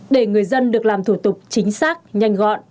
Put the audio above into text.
để người dân được làm thủ tục chính xác nhanh gọn